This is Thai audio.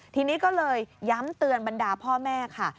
ทีนี้ก็เลยย้ำเตือนบรรดาพ่อแม่ค่ะ